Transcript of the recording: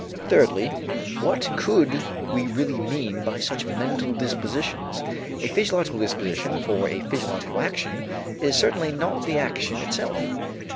Thirdly, what could we really mean by such mental dispositions? A physiological disposition for a physiological action is certainly not the action itself.